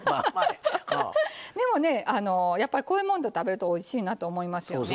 でもねこういうもんと食べるとおいしいなと思いますよね。